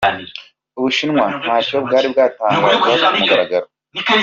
Ubushinwa ntacyo bwari bwatangaza ku mugaragaro.